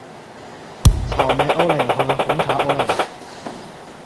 草莓欧蕾和红茶欧蕾